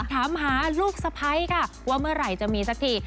ถามหาลูกสะพ้ายค่ะว่าเมื่อไหร่จะมีสักที